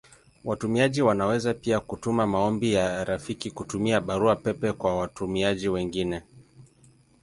Watumiaji wanaweza pia kutuma maombi ya rafiki kutumia Barua pepe kwa watumiaji wengine.